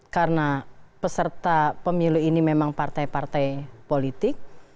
karena peserta pemilu ini memang partai partai politik